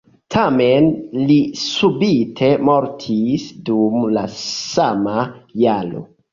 Tamen li subite mortis dum la sama jaro.